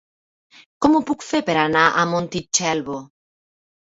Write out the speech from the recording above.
Com ho puc fer per anar a Montitxelvo?